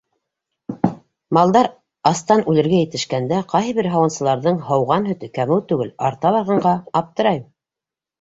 Малдар астан үлергә етешкәндә ҡайһы бер һауынсыларҙың һауған һөтө кәмеү түгел арта барғанға аптырайым!